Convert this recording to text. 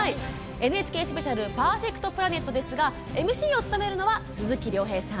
ＮＨＫスペシャル「パーフェクト・プラネット」ですがＭＣを務めるのは鈴木亮平さん。